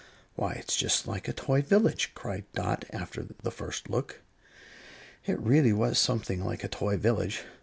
"Why, it's just like a toy village!" cried Dot, after the first look. It really was something like a toy village.